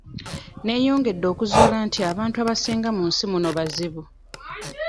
Neeyongedde okuzuula nti abantu abasinga mu nsi muno bazibu.